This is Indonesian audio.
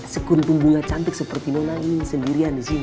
sekuntung bunga cantik seperti nona ini sendirian disini